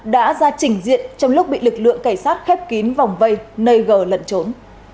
đã ra trình diện trong lúc bị lực lượng cảnh sát khép kín vòng vây nơi gờ lận trốn